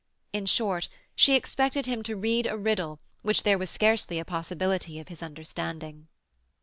In short, she expected him to read a riddle which there was scarcely a possibility of his understanding.